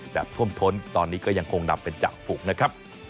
ท่วมท้นตอนนี้ก็ยังคงนำเป็นจากฝุกนะครับ